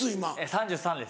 ３３です。